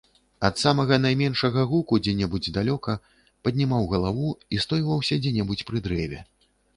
Ад самага найменшага гуку дзе-небудзь далёка паднімаў галаву і стойваўся дзе-небудзь пры дрэве.